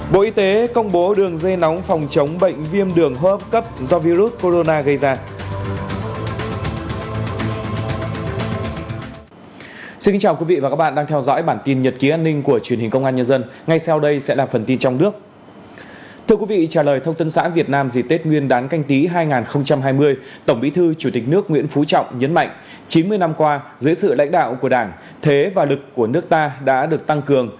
bộ y tế công bố đường dây nóng phòng chống bệnh viêm đường hô hấp cấp do virus corona gây ra